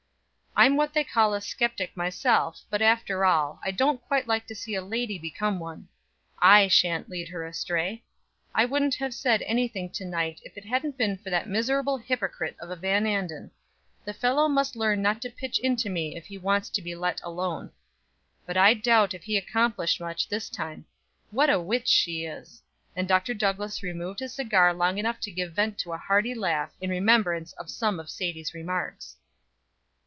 I'm what they call a skeptic myself, but after all, I don't quite like to see a lady become one. I shan't lead her astray. I wouldn't have said any thing to night if it hadn't been for that miserable hypocrite of a Van Anden; the fellow must learn not to pitch into me if he wants to be let alone; but I doubt if he accomplished much this time. What a witch she is!" And Dr. Douglass removed his cigar long enough to give vent to a hearty laugh in remembrance of some of Sadie's remarks.